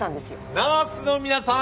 ナースの皆さん！